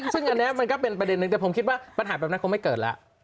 ซึ่งอันนี้มันก็เป็นประเด็นนึงแต่ผมคิดว่าปัญหาแบบนั้นคงไม่เกิดแล้ว